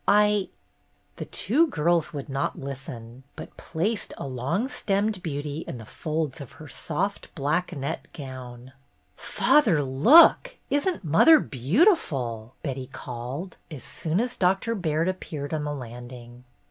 "I —" The two girls would not listen, but placed a long stemmed beauty in the folds of her soft black net gown. "Father, look, isn't mother beautiful!" Betty called, as soon as Doctor Baird appeared on the landing.